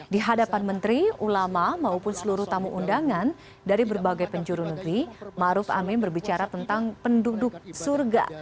di hadapan menteri ulama maupun seluruh tamu undangan dari berbagai penjuru negeri maruf amin berbicara tentang penduduk surga